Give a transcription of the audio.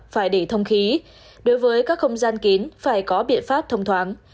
phải để thông khí đối với các không gian kín phải có biện pháp thông thoáng